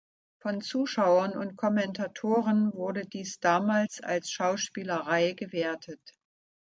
Von Zuschauern und Kommentatoren wurde dies damals als Schauspielerei gewertet.